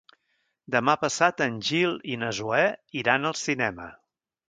Demà passat en Gil i na Zoè iran al cinema.